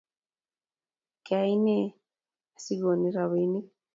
Kaine asigonii robinik?